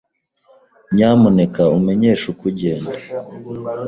Nyamuneka umenyeshe uko ugenda.